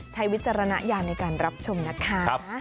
วิจารณญาณในการรับชมนะคะ